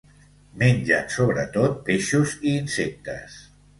Mengen sobretot peixos i insectes.